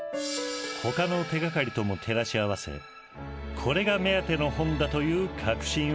ほかの手がかりとも照らし合わせこれが目当ての本だという確信を得た。